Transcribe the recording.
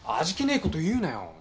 味気ねえこと言うなよ。